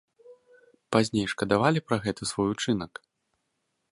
Пазней шкадавалі пра гэты свой учынак?